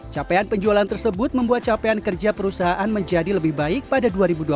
capaian penjualan tersebut membuat capaian kerja perusahaan menjadi lebih baik pada dua ribu dua puluh